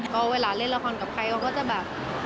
ก็เวลาเล่นละครกับใครเขาก็จะแบบ